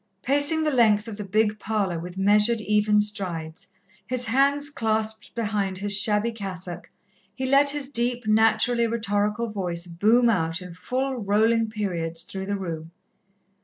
Pacing the length of the big parlour with measured, even strides, his hands clasped behind his shabby cassock, he let his deep, naturally rhetorical voice boom out in full, rolling periods through the room.